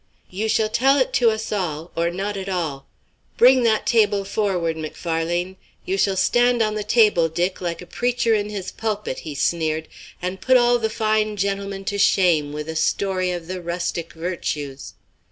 "You shall tell it to us all, or not at all. Bring that table, forward, Macfarlane! You shall stand on the table Dick, like a preacher in his pulpit," he sneered, "and put all the fine gentlemen to shame, with a story of the rustic virtues."